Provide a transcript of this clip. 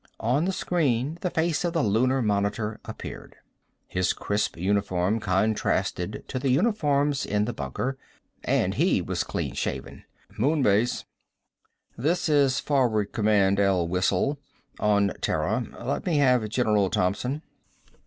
On the screen the face of the lunar monitor appeared. His crisp uniform contrasted to the uniforms in the bunker. And he was clean shaven. "Moon Base." "This is forward command L Whistle. On Terra. Let me have General Thompson."